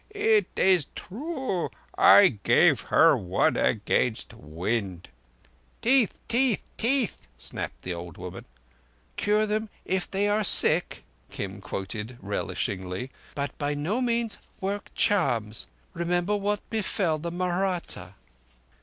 "It is true. I gave her one against wind." "Teeth—teeth—teeth," snapped the old woman. "'Cure them if they are sick,'" Kim quoted relishingly, '"but by no means work charms. Remember what befell the Mahratta.